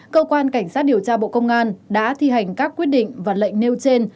cơ quan cảnh sát điều tra bộ công an đã thi hành các quyết định và lệnh nêu trên